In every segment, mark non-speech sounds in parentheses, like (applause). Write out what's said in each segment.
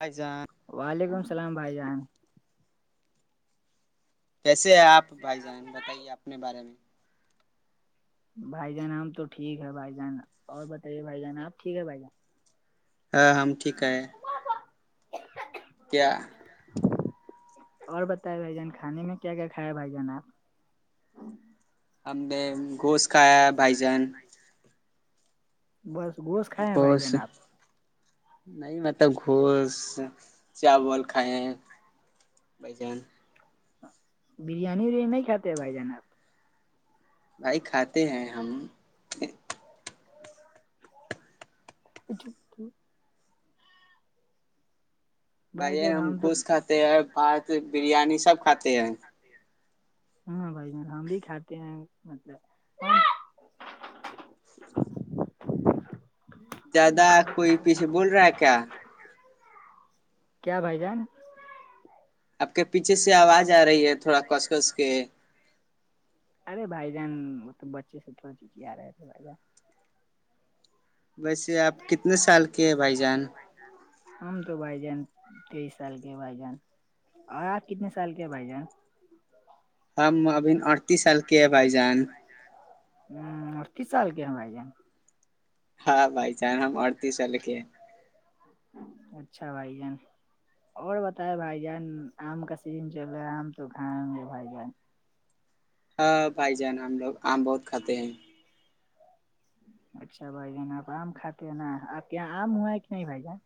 پائ جان وعلیکم السلام بھائی جان کیسے ہے آپ بھائی جان بتائیے اپنے بارے میں بھائی جان آام تو ٹھیک ہے بھائی جان اور بتائیے بھائی جان آپ ٹھیک ہے بھائی جان ہاں ہم ٹھیک ہے کیا اور بتائے بھائی جان کھانے میں کیا کیا کھیا بھائی جان آپ ہم نے گھوشت کھایا بھائی جان بس گوش گوش نہیں مطلب گھوش چاول کھائے بجان بریانی اریانی نہیں کاتے ہیں بھائی جناب بھائی کھاتے ہیں ہم ا جو بھائی ہم گھوس کھاتے ہیں بھات بریانی سب کھاتے ہیں (unintelligible) ہاں بھائی جان ہم بھی کھاتے ہیں مطلب (unintelligible) زیادہ کوئی پیچھے بول رہا ہے کیا کیا بھائی جان آپ کے پیچھے سے آواز آ رہی ہے تھوڑا کس کس کے ارے بھائی جان مطلب بچے سے تھوڑا چیچ آ رہے تھے بھائی جان ویسے آپ کتنے سال کے ہیں بھائی جان ہمم تو بھائی جان تیئیس سال کے بائی جان اور آپ کتنے سال کے بھائی جان ہم ابھی اڑتیس سال کے ہے بھائی جان ہ کس چال کے بھائی جان ہاں بھائی چان ہم اڑتیس والالے کے ہیں اچھا بھائی جان اور بتائے بھائی جان آم کا سیزن چل رہا ہے آم تو کھائے ہوں گے بھائی جان ہ بھائی جان ہم لوگ آم بہت کھاتے ہیں اچھا بھائی جانا آپ آم کھاتے ہیں نا آپ کے یہاں آم ہوا ہے کہ نہیں بھائی جان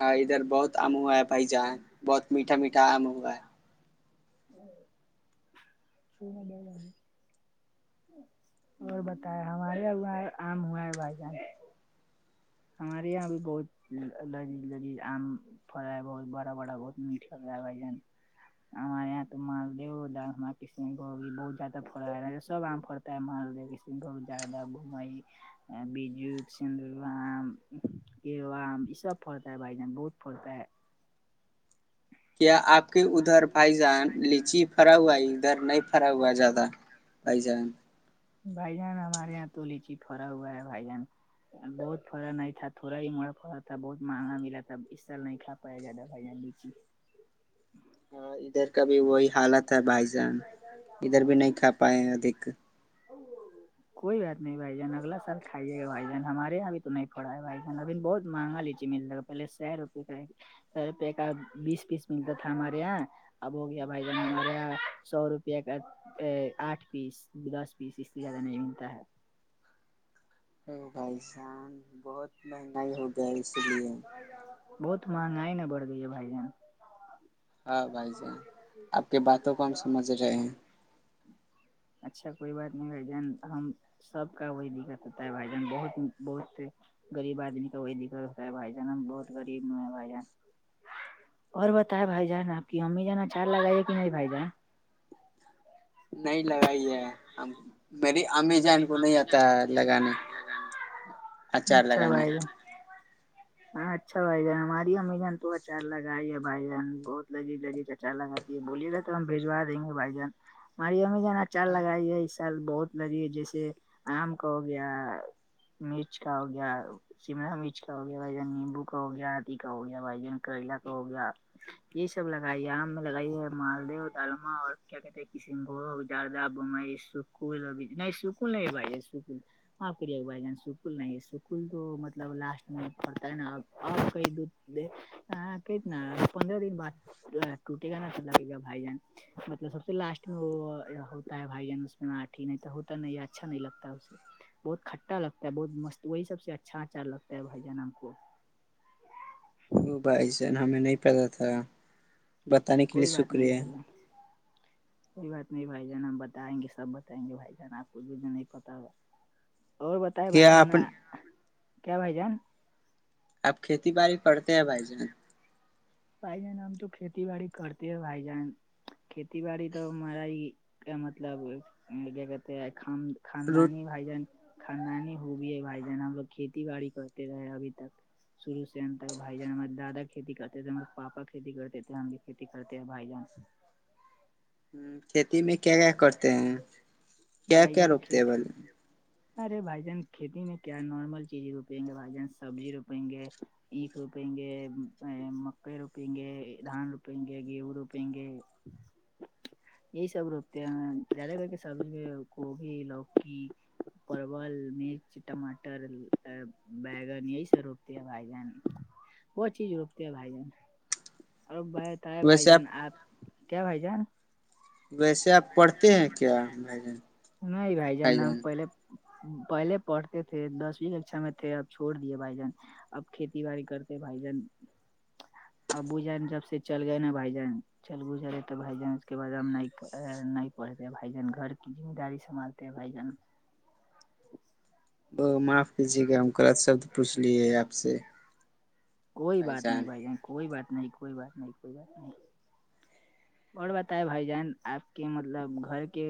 ہاں ادھر بہت آم ہوا ہے بھائی جہاں بہت میٹھا میٹا آم ہوا ہے (unintelligible) اور بتائے ہمارے آم ہوا ہے بھائی جان ہمارے یہاں بھی بہت لگی لگی عم پڑا ہے بہت بڑا بڑا بہت میٹ ل رہا ہےھائی جان ہمارے یہاں تو مالد ہو ج کن بہت زیادہ فا سبم محال دیک بہت زیادہ گھوم بجت سندور وام یہ سب فڑتا ہے بائی جان بہت فڑتا ہے کیا آپ کے ادھر بھائی جان لیچی پھرا ہوا ہے ادھر نہیں پھرا ہوا ہے زیادہ بھائی جان بائی جان ہمار یہاں تلی چ فرا ہو گا ہے بائی جان بہت پڑا نہیں تھا تھوڑا ہی مڑا پڑا تھا بہت مہنگا ملا تھا اس سال نہیں تھاا پایا جاتا بھائییاڈی ج ہی ادھر کا بھی وہی حالت ہے بھائی جان ادھر بھی نہیں کھا پائے ادک (unintelligible) کوئی بات نہیں بھائی جان اگلا سال کھائیے گا بائی جان ہمارے یہاں بھی تو نہیں پڑا ہے بھائی جان اب بہت مہنگا لیجیے مل لگا پہے سے روپئے کا روپ کا بیس پیس ملتا تھا ہمارے یہاں اب ہو گیا بھائی جان ہمارے یہاں سو روپ آٹھ پیس دس پیس اس سے زیادہ نہیں ملتا ہے بھائی شان بہت مہنگائی ہو گیا ہے اس لیے بہت مہنگائی نہ بڑھ گئی ہے بھائی جن ہاں بھائی جان آپ کی باتوں کو ہم سمجھ رہے ہیں- اچھا کوئی بات نہیں گارجین ہم- سب کا وہی دقت ہوتا ہے بھائی جان بہت بہت- غریب آدمی کا وہی دقت ہوتا ہے بھائی جان ہم بہت غریب ن ہے بھائی جان- اور بتا بھائی جان آپ کی امی ج نا چار لگائیے کہ نہیں بھائی جان- نہیں، لگائی ہے ہم- میری امی جان کو نہیں آتا لگانے اچار اچھا لگانے بھائی ہاں اچھا بھائی جان ہماری امی جان تو اچار لگاائی ہے بھائی جان بہت لذیج لذیج اچار لگا یہ بولیے رہے تو ہم بھیجوا دیں گے بھائی جان ہماری امی ج ناچال لگائی ہے اس سال بہت ل لییے جیسے آم کا ہو گیا مرچ کا ہو گیا شملا مرچ کا ہو گیا بھائی جان نیمبو کا ہو گیا آدھی کا ہو گیا بھائی جان کرلا کا ہو گیا یہ سب لگائی ہے ہم نے لگائی ہے مالدو ڈالما اور کیا کہتے ہیں کشن گ- زیادہ بئی سکل ابھی نہیں سکل نہیں بھائی سکل- آف کریے بھائی جان سکل نہیں سکل تو مطلب لاسٹ میں پڑتا ہے نا اور کئی- د ہ کہنا پندرہ دن بعد ٹوٹے گا نا تو لا بائی جان- مطلب سب سے لاسٹ میں وہ ہوتا ہے بھائی جان اس میں آٹ ہی نہیں تو ہو- نہیں اچھا نہیں لگتاے بہت کھٹا لگتا ہے بہت مست وہی سب سے اچھا آچار لگتا ہے بھائی جان ہم کو- ا بھائی سن ہمیں نہیں پتا تھا بتانے کے لیے کوئی بات نہیں بھائی شکریہ- جان کوئی بات نہیں بھائی جان ہم بتائیں گے سب بتائیں گے بھائی جان آپ کوھ بھی نہیں پتا ہوا- اور بتائے بھائی کیا جان آپ کیا بھائی جان- اپ کھیتی بای کرتے ہیں بھائی جان- بھائی جان ہم تو کھیتی باڑی کرتے ہیں بھائی جان کھیتی باڑی تو ہمارا ہی- مطلب کیا کہتے ہیں روز خاندانی بھائی جان- خاندانی ہو بھیئی ہے بھائی جان ہم لوگ کھیتی باڑی کرتے رہے ابھی تک- شرو سے ہم تک بھائی جان ہمار دادا کھیتی کرتے تھ ہم- پاپا کھیتی کرتے تھے ہم بھی کھیتی کرتے ہیں بھائی جان- ہ کھیتی میں کیا- کیا کرتے ہیں کیا بھائی کیا جان روپتے ہیں کھیتی بولے- ارے بھائی جان کھیتی میں کیا نارمل چیز روپیں گے بھائی جان سبزی روپیں گے- اکھ روپیں گے مکئی روپیں گے دھان روپیں گے گیہ روپیں گے- (inaudible) سب روکتے ہیں زیادہ کر کے سبزی میں گوبھی لوکی- پرول، مرچ، ٹماٹر بیگ سے روک دیا بھائی جان - وہ چیز روکتے ہے بھائی جان اور بائی- کیا بھائی جان آپ کیا بھائی جان- ویسے اپ پڑھتے ہیں کیا میں نے نہیں بھائی ہم جان? پہلے پہلے پڑھتے تھے، دسویں ککشا میں تھے اب چھوڑ دیے بھائی جان- اب کھیتی باڑی کرتے بھائی جان- ابو جان جب سے چل گئے نا بھائی جان چل گز رہے تو بھائی جان اس کے بعد ہم نہیں کر- نہیں پڑھتے بھائی جن گھر کی ذمہ داری سبھالتے بھائی جن- وہ معاف کیجیے گا ہم غلط شبد پوچھ لیے آپ سے- کوئی بات نہیں بھائی ج کوئی بات نہیں کوئی بات نہیں کوئی بات نہیں- اور بتاائے بھائی جان آپ کے مطلب گھر کے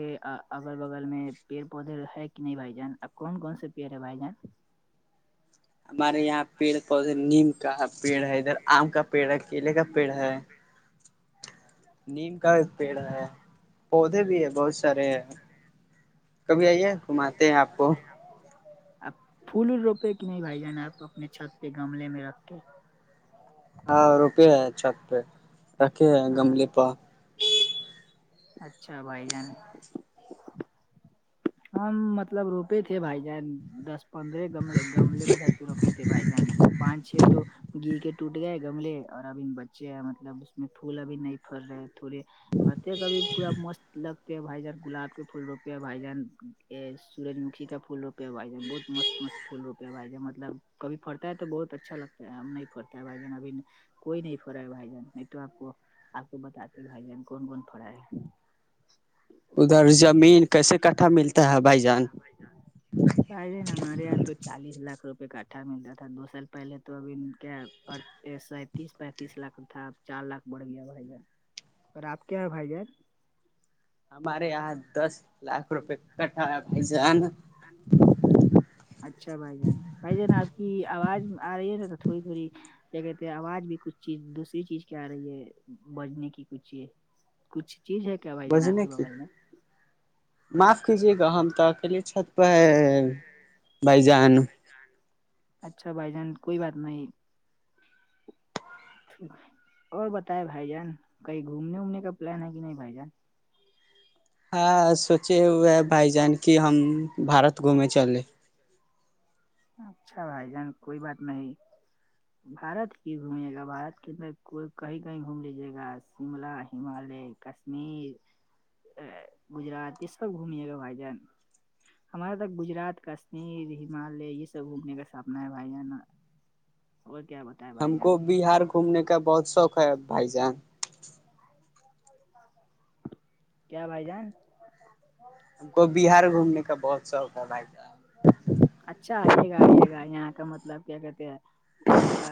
اگل بغل میں- پیڑ پودے ہے کہ نہیں بھائی جان اب کون کون سے پیڑ ہے بھائی جان- ہمارے یہاں پیڑ پودے نیم کا پیڑ ہے ادھر آم کا پیڑ ہے کیلے کا پیڑ ہے- نیم کا پیڑا ہے پودے بھی ہے- بہت سارے کبھی آئیے، گھماتے ہیں آپ کو آپ پھول روپے کہ نہیں بھائی جان آپ اپنے چھت پہ گملے میں رکھ کے- ہاں روپے ہیں چھت پہ رکھے ہیں ہاں گملے پا- اچھا بھائی جان- ہم مطلب روپے تھے بھائی جان دس پندرہ گ گملے میں- روتے تھے بھائ جان پانچ چھ تو گی کے ٹوٹ گئے گملے اور ابھی بچے مطلب اس میں پھول ابھی نہیں پڑ رہے تھوڑے پڑتے کاب پورا مست لگتے بھائی جان گلاب کے پھول روپے بھائی جان سورج مکھی کا پھول روپے با ہے بہت مست مست فھول روپے ہے مطلب کبھی پڑتا ہے تو بہت اچھا لگتا ہے ہم نہیں پڑتا ہے بھائی جان ابھی- کوئی نہیں فرا ہے بھائی جان نہیں تو آپ کو- آپ کو بتاتے بھائی جان کون کون پڑا ہے- ادھر زمین کیسے- کٹھا کیسے کتا ہے بھائی ملتا جان ہے بھ جان (inaudible) بھائی جان نا ہمارے یہاں تو چالیس لاکھ روپئے کٹھا ملتا تھا دو سال پہلے تو ابھی کیا اور سینتیس پینتیس لاکھ کا تھا چار لاکھ بڑھ گیا بھائی جان اور آپ کیا ہے بھائی جان ہمارے یہاں دس لاکھ روپے کٹایا بھائی جان ہاں اچھا بھائی جان بھائی جان آپ کی آواز آ رہی ہے نا تھوڑی تھوڑی کیا کہتے آواز بھی کچھ چیز دوسری چیز کیا آ رہی ہے بجنے کی کچھ چیز کچھ چیز ہے کیا بھائی جانا آپ بجنے کے کی بگل میں معاف کیجے گا ہم تو اکیلے چھت پہ بھائی جان اچھا بھائی جان کوئی بات نہیں اور بتائے بھائی جان کہیں گھومنے وومنے کا پلان ہے کہ نہیں بھائی جان ہاں سوچے ہوئے ہے بھائی جان کی ہم بارت گھومے چلے اچھا بھائی جان کوئی بات نہیں بارت کی گھومے گا بارت کے اندر کوئی کہیں کہیں گھوم لیجیے گا شملہ ہممالیہ کشمیر گجرات یہ سب گھمیے گا بھائی جان ہمارے تک گجرات کشمیر ہمالیہ سے گھومنے کا سپنا ہے بھائی جانا اور کیا بتا ہم کو بہار گھومنے کا بہت شوق ہے بھائی جان کیا بھائی جان ہم کو بہار گھومنے کا بہت شوق ہے بھائی جان اچھا آئیے گا آئیے گا یہاں کا مطلب کیا کہتے ہیں یہاں کا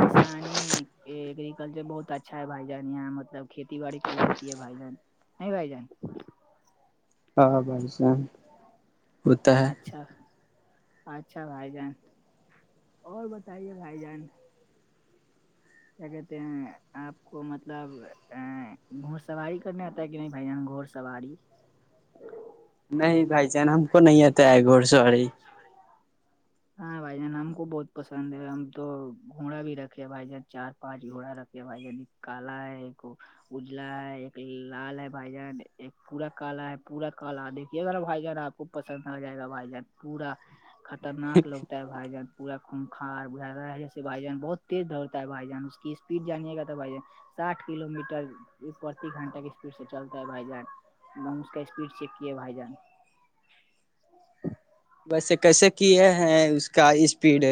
کسانی ایگررییکلچر بہت اچھا اچھا ہے بھائی جان یہاں مطلب کھیتی باڑی خوب ہوتی ہے بھائی جان ہے بھائی جان ہاں بسس ہوتا ہے اچھا اچھا بھائی جان اور بتائیے بھائی جان کیا کہتے ہیں آپ کو مطلب ا گھڑ سواری کرنے آتا ہے کہ نہیں بھائی ہم گھڑ سواری نہیں بھائی جان ہم کو نہیں آتا ہے گھوڑ سوڑی ہاں بھائی جان ہم کو بہت پسند ہے ہم تو گھوڑا بھی رکھے بھائی جان چار پانچ گھوڑا رکھے بھائی جان (inaudible) اجلا ہے ایک لال ہے بھائی جان ایک پورا کالا ہے پورا کالا دیکھیے ذرا بھائی جان آپ پسند آ جائے گا بھائی جان پورا خطرناک لوگتا بھائی جان پورا خونخار بجھ جیے بھائی جان بہت تیز دوڑتا ہے بھائی جان اس کی اسپیڈ جانا تھا بھائی جان ساٹھ کلو میٹر پرتی گھنٹہ کی اسپیڈ سے چلتا ہے بھائی جان کا اسپیڈ چیک کی ہے بھائی جان بسے کیسے کی ہے اس کا اسپیڈ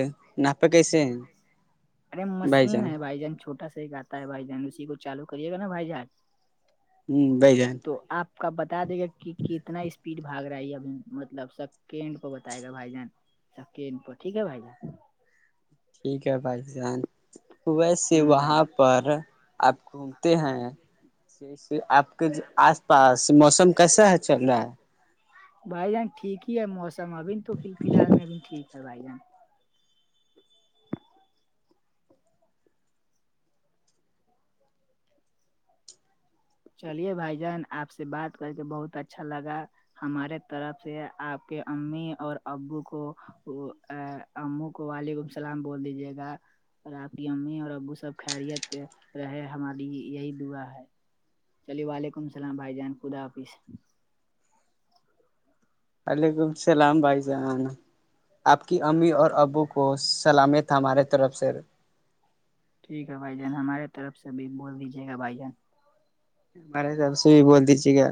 نہپ کیسے مشین ہے بھائی جان چھوٹا س ہی آتا ہے بھائی جان اسی کو چالو کریے گا نا بھائی جان ہوں بھ جائیں تو آپ کا بتا دے گا کہ کتنا اسپیڈ بھاگ رہا ہے ابھی مطلب سب کینڈ پ بتائے گا بھائی جانچ کی ٹھیک ہے بھائی جان ٹھیک ہے بھائی جان ویسے ہ بھائی وہاں جان پر آپ گھومتے ہیں ج آپ کے آس پاس موسم کیسا ہے چل رہا ہے بھائی جان ٹھیک ہی ہے موسم ابھی تو فی الحال میں بھیب ٹھیک ہے بھائی جان چلیے بھائی جان آپ سے بات کر کے بہت اچھا لگا ہمارے طرف سے آپ کے امی اور ابو کو وہ کو وعلیکم اللام بول دیجیے گا اور آپ کی امی اور ابو سب خیریت رہے ہماری یہی دعا ہے چلیے وعلیکم السلام بھائی جان خدا حافظ وعلیکم السلام بھائی جان آپ کی امی اور ابو کو سلامت ہمارے طرف سے ٹھیک ہے بھائی جان ہمارے طرف سے بھی بول دیجیے گا بھائی جان مارےس آب سے بھی بول دیجیے گا